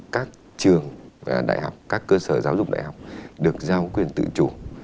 các cơ sở giáo dục đại học được giao quyền tự chủ